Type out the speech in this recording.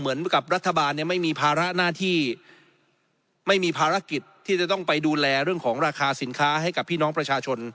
เหมือนกับรัฐบาลเนี่ยไม่มีภาระหน้าที่ไม่มีภารกิจที่จะต้องไปดูแลเรื่องของราคาสินค้าให้กับพี่น้องประชาชน